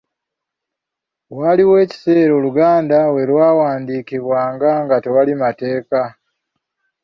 Waaliwo ekiseera Oluganda we lwawandiikibwanga nga tewali mateeka.